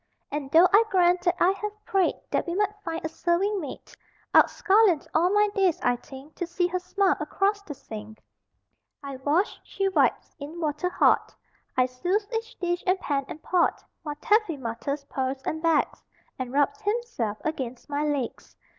And though I grant that I have prayed That we might find a serving maid, I'd scullion all my days, I think, To see Her smile across the sink! I wash, She wipes. In water hot I souse each dish and pan and pot; While Taffy mutters, purrs, and begs, And rubs himself against my legs.